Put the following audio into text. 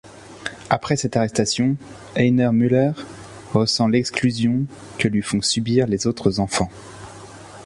Après cette arrestation, Heiner Müller ressent l'exclusion que lui font subir les autres enfants.